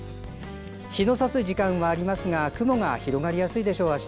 日のさす時間はありますが雲が広がりやすいでしょう。